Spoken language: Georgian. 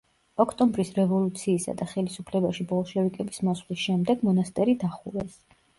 ოქტომბრის რევოლუციისა და ხელისუფლებაში ბოლშევიკების მოსვლის შემდეგ მონასტერი დახურეს.